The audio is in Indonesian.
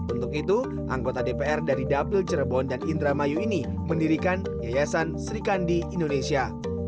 untuk itu anggota dpr dari dapil cirebon dan indramayu ini mendirikan yayasan sri kandi indonesia